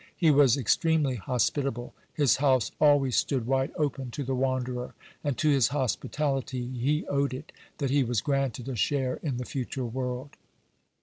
He was extremely hospitable. His house always stood wide open to the wanderer, and to his hospitality he owed it that he was granted a share in the future world.